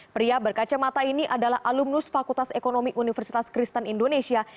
pria berkacamata ini adalah alumnus fakultas ekonomi universitas kristen indonesia